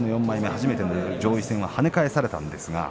東の４枚目、初めての上位戦を跳ね返されました。